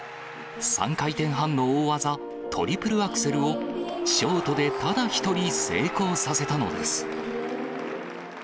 ３回転半の大技、トリプルアクセルを、ショートでただ一人成功させたのです。